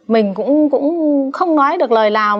mình cũng không nói được lời nào